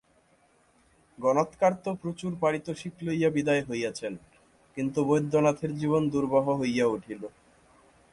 গণৎকার তো প্রচুর পারিতোষিক লইয়া বিদায় হইয়াছেন, কিন্তু বৈদ্যনাথের জীবন দুর্বহ হইয়া উঠিল।